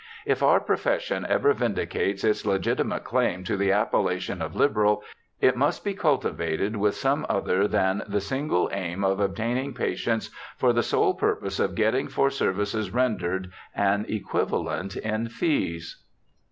If our profession ever vindicates its legitimate claim to the appellation of liberal, it must be cultivated with some other than the single aim of obtain ing patients for the sole purpose of getting for services renaered an equivalent in fees.'